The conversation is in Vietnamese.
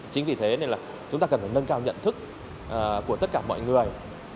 chính vì thế nên là chúng ta cần phải nâng cao nhận thức của tất cả mọi người